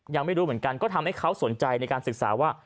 ยังไม่รู้เหมือนกันก็ทำให้เขาสนใจในการศึกษาว่า